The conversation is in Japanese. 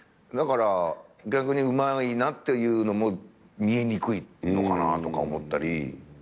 だから逆にうまいなっていうのも見えにくいのかなとか思ったり。